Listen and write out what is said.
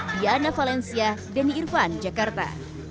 diana valencia denny irvan jakarta